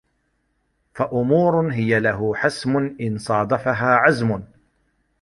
فَأُمُورٌ هِيَ لَهُ حَسْمٌ إنْ صَادَفَهَا عَزْمٌ